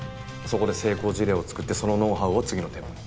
そこで成功事例を作ってそのノウハウを次の店舗に。